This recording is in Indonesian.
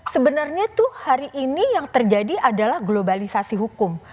sebenarnya tuh hari ini yang terjadi adalah globalisasi hukum